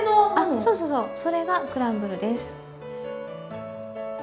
そうそうそうそれがクランブルです。